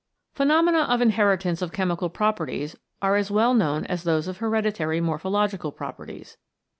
Phenomena of inheritance of chemical properties are as well known as those of hereditary mor phological properties.